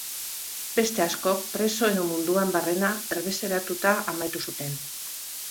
Beste askok preso edo munduan barrena erbesteratuta amaitu zuten.